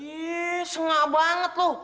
yee sengak banget lo